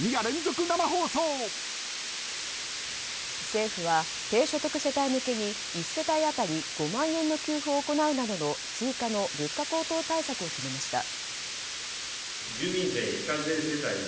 政府は、低所得世帯向けに１世帯当たり５万の給付を行うなどの追加の物価高騰対策を決めました。